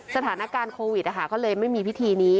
สถานการณ์โควิดก็เลยไม่มีพิธีนี้